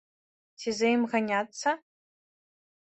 Ці за ім ганяцца?